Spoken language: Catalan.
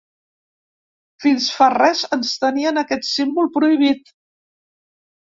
Fins fa res ens tenien aquest símbol prohibit.